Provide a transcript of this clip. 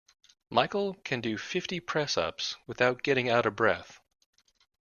Michael can do fifty press-ups without getting out of breath